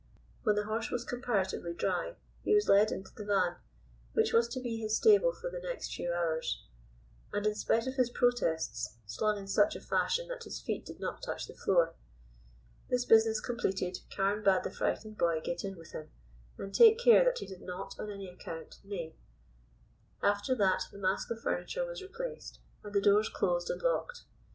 When the horse was comparatively dry he was led into the van which was to be his stable for the next few hours, and, in spite of his protests, slung in such a fashion that his feet did not touch the floor. This business completed, Carne bade the frightened boy get in with him, and take care that he did not, on any account, neigh. After that the mask of furniture was replaced, and the doors closed and locked.